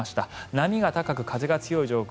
波が高く、風が強い状況